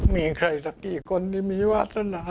มีใครสักกี่คนที่มีวาสนา